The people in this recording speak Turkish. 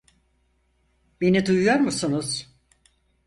Beni duyuyor musunuz?